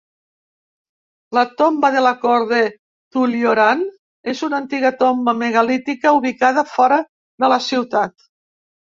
La tomba de la cort de Tullyoran és una antiga tomba megalítica ubicada fora de la ciutat.